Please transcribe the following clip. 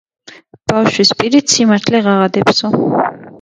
ბავშვის პირით სიმართლე ღაღადებსო!